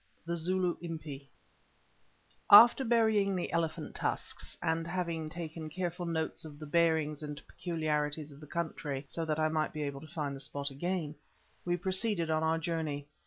THE ZULU IMPI After burying the elephant tusks, and having taken careful notes of the bearings and peculiarities of the country so that I might be able to find the spot again, we proceeded on our journey.